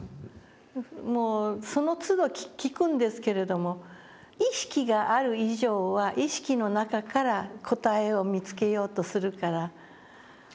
もうそのつど聞くんですけれども意識がある以上は意識の中から答えを見つけようとするから。